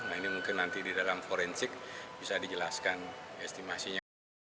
nah ini mungkin nanti di dalam forensik bisa dijelaskan estimasinya